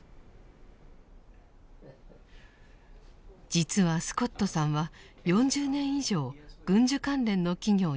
実はスコットさんは４０年以上軍需関連の企業に勤めていました。